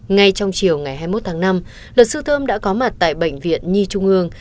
ngay trong chiều ngày hai mươi một tháng năm luật sư thơm đã có mặt tại bệnh viện nhi trung ương